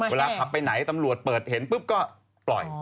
เวลาขับไปไหนตำรวจเปิดเห็นปุ๊บก็ปล่อย